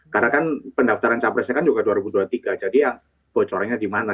karena kan pendaftaran capresnya kan juga dua ribu dua puluh tiga jadi ya bocorannya dimana